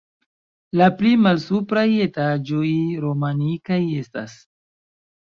La pli malsupraj etaĝoj romanikaj estas.